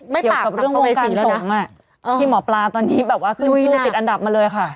เกี่ยวกับเรื่องวงการสงฆ์ที่หมอปลาตอนนี้แบบว่าขึ้นชื่อติดอันดับมาเลยค่ะ